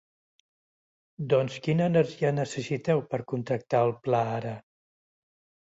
Doncs quina energia necessiteu per contractar el pla ara?